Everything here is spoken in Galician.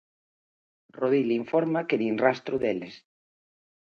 Rodil informa que nin rastro deles.